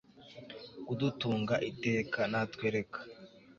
kudutunga iteka, natwe reka